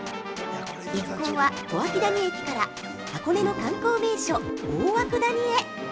一行は、小涌谷駅から箱根の観光名所、大涌谷へ。